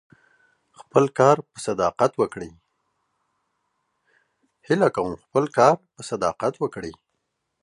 خپل کار په صداقت وکړئ.